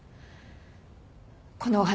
このお話。